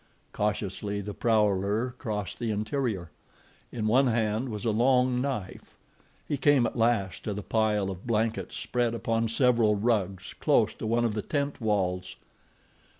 Cautiously the prowler crossed the interior. In one hand was a long knife. He came at last to the pile of blankets spread upon several rugs close to one of the tent walls.